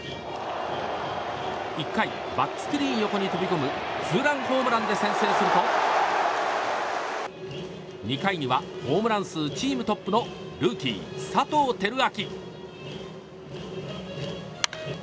１回、バックスクリーン横に飛び込むツーランホームランで先制すると２回にはホームラン数チームトップのルーキー、佐藤輝明。